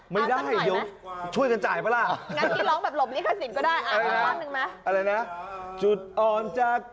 ไม่ได้ช่วยกันจ่ายแล้วก็ได้